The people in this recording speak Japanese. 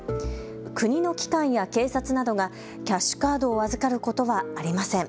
国の機関や警察などがキャッシュカードを預かることはありません。